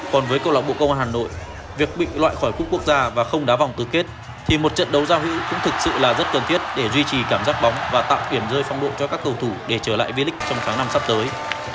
còn với câu lạc bộ công an hà nội việc bị loại khỏi quốc quốc gia và không đá vòng tứ kết thì một trận đấu giao hữu cũng thực sự là rất cần thiết để duy trì cảm giác bóng và tạo kiểm rơi phong độ cho các cầu thủ để trở lại vlic trong tháng năm sắp tới